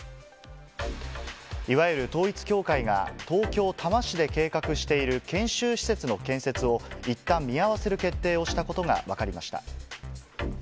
いわゆる統一教会が東京・多摩市で計画している研修施設の建設を、いったん見合わせる決定をしたことが分かりました。